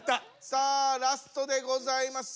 さあラストでございます。